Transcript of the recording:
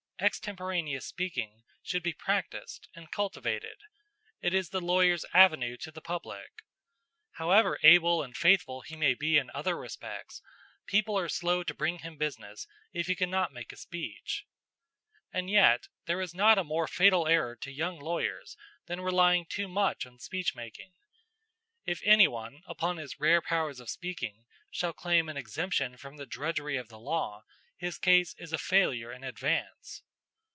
"Extemporaneous speaking should be practised and cultivated. It is the lawyer's avenue to the public. However able and faithful he may be in other respects, people are slow to bring him business if he cannot make a speech. And yet, there is not a more fatal error to young lawyers than relying too much on speech making. If any one, upon his rare powers of speaking, shall claim an exemption from the drudgery of the law, his case is a failure in advance.